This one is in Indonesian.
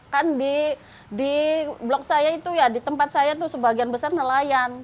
kan di blok saya itu ya di tempat saya itu sebagian besar nelayan